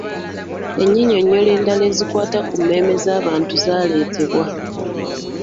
Ennyinyonnyola endala ezikwata ku mmeeme z’abantu zaaleetebwa.